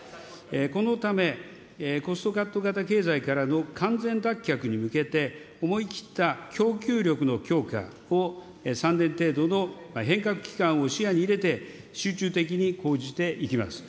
このため、コストカット型経済からの完全脱却に向けて、思い切った供給力の強化を３年程度の変革期間を視野に入れて、集中的に講じていきます。